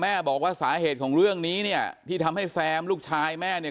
บอกว่าสาเหตุของเรื่องนี้เนี่ยที่ทำให้แซมลูกชายแม่เนี่ย